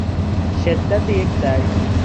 شدت یک جریان